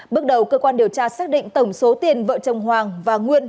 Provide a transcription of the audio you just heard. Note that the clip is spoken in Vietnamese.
bước đầu cơ quan điều tra xác định tổng số tiền vợ chồng hoàng và nguyên